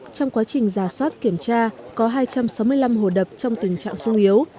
trong quá trình giả soát kiểm tra có hai trăm sáu mươi năm hồ đập trong tình trạng sung yếu